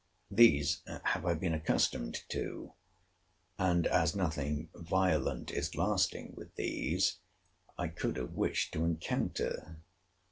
These have I been accustomed to; and as nothing violent is lasting, with these I could have wished to encounter.